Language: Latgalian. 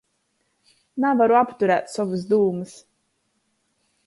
Navaru apturēt sovys dūmys...